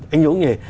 anh vũ cũng vậy